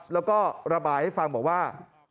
แล้วก็ระบายให้ฟังบอกว่า